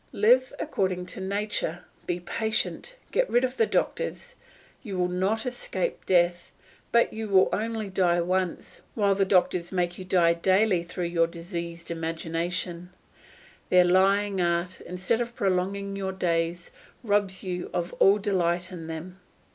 Live according to nature; be patient, get rid of the doctors; you will not escape death, but you will only die once, while the doctors make you die daily through your diseased imagination; their lying art, instead of prolonging your days, robs you of all delight in them.